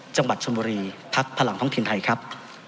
จังหวัดชนบุรีพักพลังท้องถิ่นไทยครับ